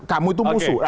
kamu itu musuh